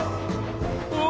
うわ！